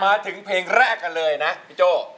มาถึงเพลงแรกกันเลยนะพี่โจ้